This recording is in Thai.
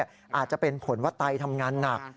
อาจจะเป็นผลว่าไตทำงานหนัก